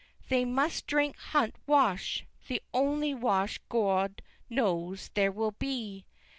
They must drink Hunt wash (the only wash God nose there will be!)